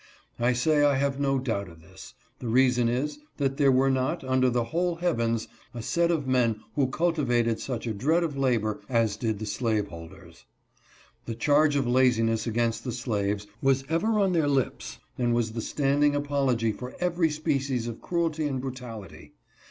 I say I have no doubt of this ; the reason is, that there were not, under the whole heav ens, a set of men who cultivated such a dread of labor as SLAVEHOLDERS LAZY. 163 did the slaveholders. The charge of laziness against the slaves was ever on their lips and was the standing apology for every species of cruelty and brutality.